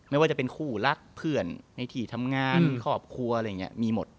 ไม่ว่าจะเป็นคู่รักเพื่อนหน้าที่ทำงานครอบครัวมีหมด